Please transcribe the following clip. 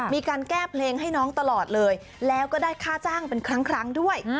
มีการแก้เพลงให้น้องตลอดเลยแล้วก็ได้ค่าจ้างเป็นครั้งด้วย